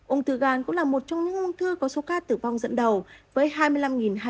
ung thư gan cũng là một trong những ung thư có số ca tử vong dẫn đầu với hai mươi năm hai trăm bảy mươi hai ca